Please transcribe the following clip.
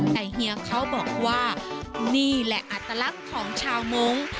แต่เฮียเขาบอกว่านี่แหละอัตลักษณ์ของชาวมงค์